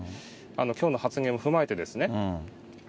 きょうの発言を踏まえてですね。